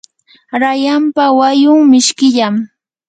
rayanpa wayun mishkillam.